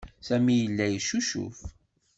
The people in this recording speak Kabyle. Sami yella yeccucuf.